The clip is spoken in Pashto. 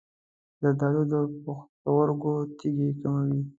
زردآلو د پښتورګو تیږې کموي.